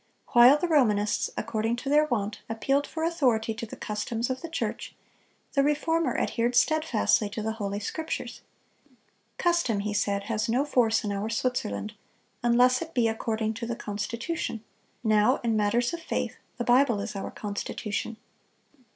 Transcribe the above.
While the Romanists, according to their wont, appealed for authority to the customs of the church, the Reformer adhered steadfastly to the Holy Scriptures. "Custom," he said, "has no force in our Switzerland, unless it be according to the constitution; now, in matters of faith, the Bible is our constitution."